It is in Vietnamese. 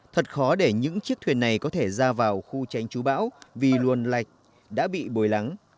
thật khó để những chiếc thuyền này có thể ra vào khu tránh chú bão vì luồn lạch đã bị bồi lắng